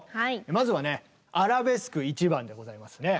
まずはね「アラベスク１番」でございますね。